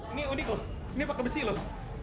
ini unik loh ini pakai besi loh